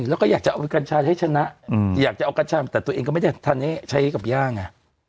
แล้วก็อยากจะเอากัญชาให้ชนะอยากจะเอากัญชาแต่ตัวเองก็ไม่ได้ทันให้ใช้กับย่าไง